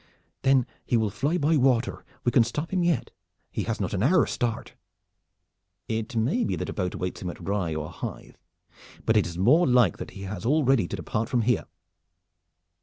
"Then he will fly by water. We can stop him yet. He has not an hour's start." "It may be that a boat awaits him at Rye or Hythe; but it is more like that he has all ready to depart from here.